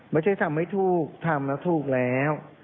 ไม่ใช่ทำไม่ถูกทำแล้วถูกแล้ว